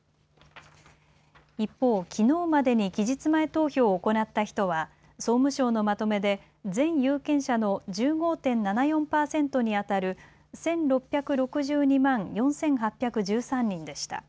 一方、きのうまでに期日前投票を行った人は総務省のまとめで全有権者の１５．７４％にあたる１６６２万４８１３人でした。